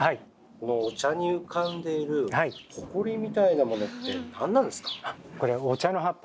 このお茶に浮かんでいるホコリみたいなものって何なんですか？